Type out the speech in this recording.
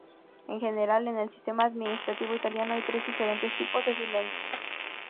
En general, en el sistema administrativo italiano hay tres diferentes tipos de silencio.